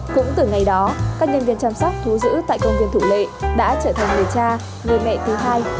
cũng từ ngày đó các nhân viên chăm sóc thú giữ tại công viên thủ lệ đã trở thành người cha người mẹ thứ hai